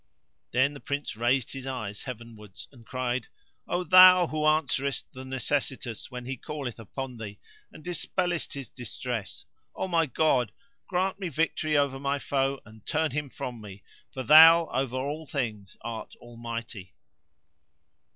Then the Prince raised his eyes heavenwards and cried, "O Thou who answerest the necessitous when he calleth upon Thee and dispellest his distress; O my God ! grant me victory over my foe and turn him from me, for Thou over all things art Almighty."